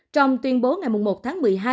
trong tuyên bố ngày một tháng một mươi hai